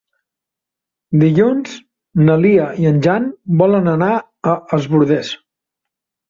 Dilluns na Lia i en Jan volen anar a Es Bòrdes.